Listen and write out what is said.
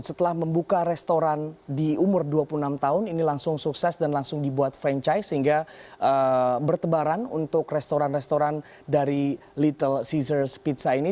setelah membuka restoran di umur dua puluh enam tahun ini langsung sukses dan langsung dibuat franchise sehingga bertebaran untuk restoran restoran dari little ceasur s pizza ini